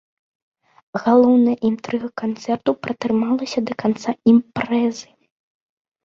Галоўная інтрыга канцэрту пратрымалася да канца імпрэзы.